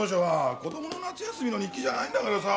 子供の夏休みの日記じゃないんだからさ